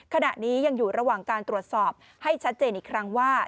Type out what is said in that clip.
ขณะนี้ยังอยู่ระหว่างการตรวจสอบให้ชัดเจนอีกครั้งว่า